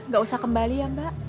gak usah kembali ya mbak